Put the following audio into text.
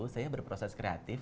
saya berproses kreatif